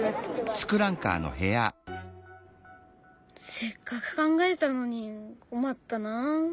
せっかく考えたのに困ったなあ。